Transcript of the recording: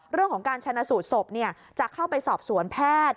เรื่องของการชนะสูตรศพจะเข้าไปสอบสวนแพทย์